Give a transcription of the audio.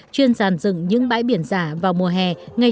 chuyên giàn dựng những bãi biển giả vào mùa hè